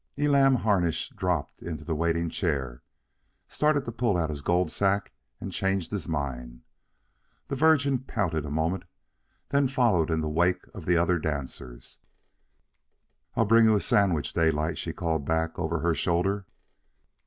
Elam Harnish dropped into the waiting chair, started to pull out his gold sack, and changed his mind. The Virgin pouted a moment, then followed in the wake of the other dancers. "I'll bring you a sandwich, Daylight," she called back over her shoulder.